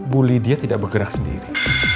bu lydia tidak bergerak sendiri